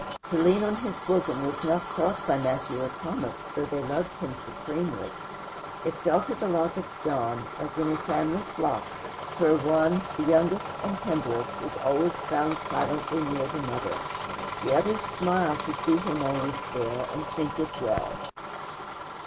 To lean on his bosom was not sought by Matthew or Thomas, though both loved him supremely; it fell to the lot of John, as in a family flock, where one, the youngest and tenderest, is always found silently near the mother; the others smile to see him always there, and think it well.